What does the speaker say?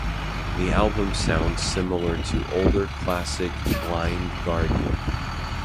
The album sounds similar to older classic Blind Guardian.